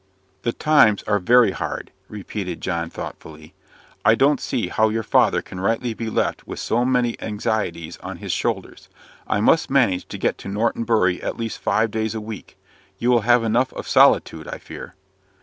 "The times are very hard," repeated John, thoughtfully. "I don't see how your father can rightly be left with so many anxieties on his shoulders. I must manage to get to Norton Bury at least five days a week. You will have enough of solitude, I fear."